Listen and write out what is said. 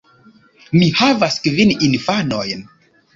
Mi havas kvin infanojn.